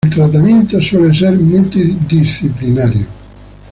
El tratamiento suele ser multidisciplinario.